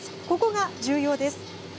ここが重要です。